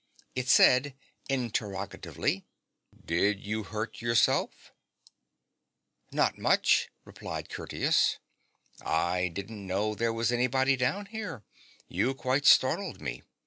It said interrogatively :' Did you hurt yourself ?'' Not much,' replied Curtius. ' I didn't know there was anybody down here. You quite startled me.